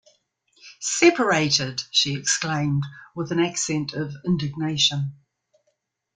'Separated!’ she exclaimed, with an accent of indignation.